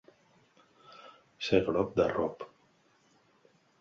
Ser glop d'arrop.